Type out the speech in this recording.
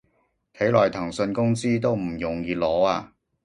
睇來騰訊工資都唔容易攞啊